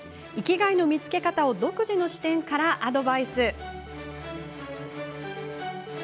生きがいの見つけ方を独自の視点からアドバイス。